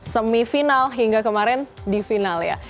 semifinal hingga kemarin di final ya